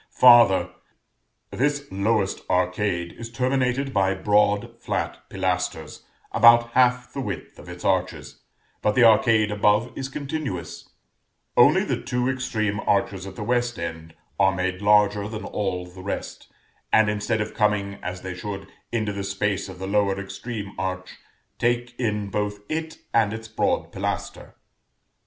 Farther: this lowest arcade is terminated by broad flat pilasters, about half the width of its arches; but the arcade above is continuous; only the two extreme arches at the west end are made larger than all the rest, and instead of coming, as they should, into the space of the lower extreme arch, take in both it and its broad pilaster.